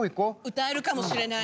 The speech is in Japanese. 歌えるかもしれない。